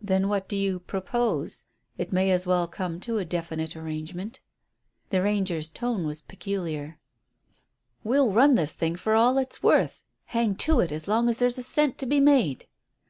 "Then what do you propose? We may as well come to a definite arrangement." The rancher's tone was peculiar. "We'll run this thing for all it's worth. Hang to it as long as there's a cent to be made."